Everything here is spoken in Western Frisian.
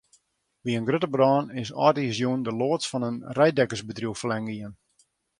By in grutte brân is âldjiersjûn de loads fan in reidtekkersbedriuw ferlern gien.